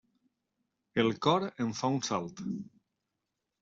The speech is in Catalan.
El cor em fa un salt.